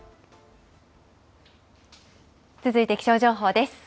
続いて気象情報です。